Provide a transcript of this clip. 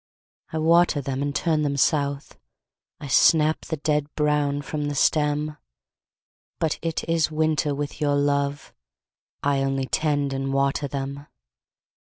I water them and turn them south, I snap the dead brown from the stem; But it is winter with your love, I only tend and water them.